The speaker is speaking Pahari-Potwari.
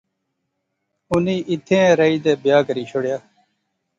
انی ایتھیں ایہہ رہی تہ بیاہ کری شوڑیا